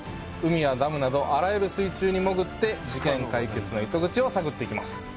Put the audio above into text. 海やダムなどあらゆる水中に潜って事件解決の糸口を探っていきます